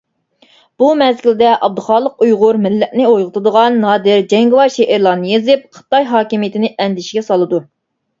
بۇ مەزگىلدە ئابدۇخالىق ئۇيغۇر مىللەتنى ئويغىتىدىغان نادىر، جەڭگىۋار شېئىرلارنى يېزىپ، خىتاي ھاكىمىيىتىنى ئەندىشىگە سالىدۇ.